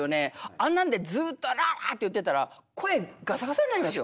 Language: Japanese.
あんなんでずっと「ローラ」って言ってたら声ガサガサになりますよ。